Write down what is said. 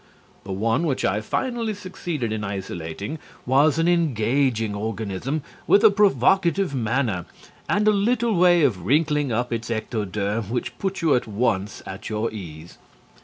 The one which I finally succeeded in isolating was an engaging organism with a provocative manner and a little way of wrinkling up its ectoderm which put you at once at your ease.